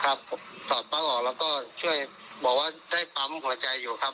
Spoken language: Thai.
ครับผมถอดปั้งออกแล้วก็ช่วยบอกว่าได้ปั๊มหัวใจอยู่ครับ